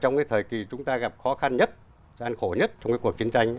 trong cái thời kỳ chúng ta gặp khó khăn nhất gian khổ nhất trong cái cuộc chiến tranh